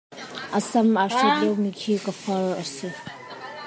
A sam aa hriat liomi khi ka far a si.